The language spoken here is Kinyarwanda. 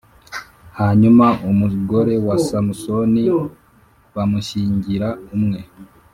Hanyuma umugore wa Samusoni k bamushyingira umwe